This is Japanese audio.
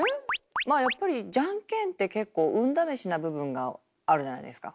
まあやっぱりじゃんけんって結構運試しな部分があるじゃないですか。